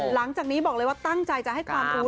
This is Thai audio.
หลังจากนี้บอกเลยว่าตั้งใจจะให้ความรู้